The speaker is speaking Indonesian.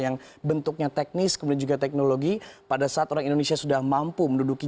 yang bentuknya teknis kemudian juga teknologi pada saat orang indonesia sudah mampu menduduki